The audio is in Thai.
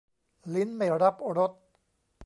ลิ้นไม่รับรส